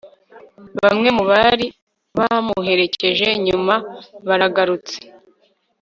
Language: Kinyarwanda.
bamwe mu bari bamuherekeje, nyuma baragarutse